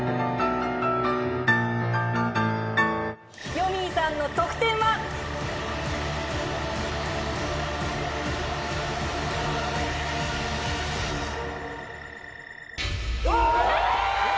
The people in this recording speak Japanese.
よみぃさんの得点は？え！？